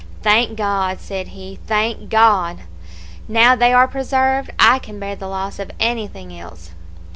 "'Thank God!' said he, 'thank God! Now they are preserved, I can bear the loss of anything else!'